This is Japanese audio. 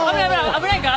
危ないから。